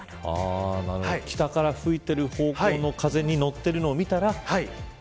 北から吹いている方向の風に乗っているのを見たら。